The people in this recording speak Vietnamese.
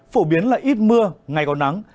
phổ biến là ít mưa ngày có nắng